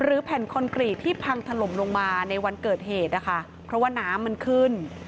แผ่นคอนกรีตที่พังถล่มลงมาในวันเกิดเหตุนะคะเพราะว่าน้ำมันขึ้น